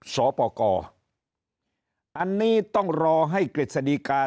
สปกรอันนี้ต้องรอให้กฤษฎีกา